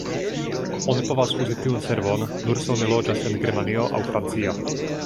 Oni povas uzi tiu servon nur se oni loĝas en Germanio aŭ Francio.